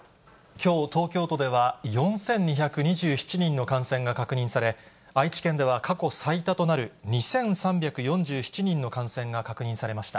きょう、東京都では４２２７人の感染が確認され、愛知県では過去最多となる２３４７人の感染が確認されました。